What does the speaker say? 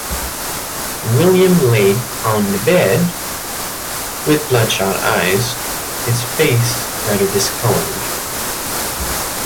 William lay on the bed, with bloodshot eyes, his face rather discoloured.